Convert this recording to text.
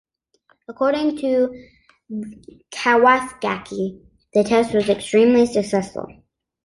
According to Kawasaki, the test was "extremely successful".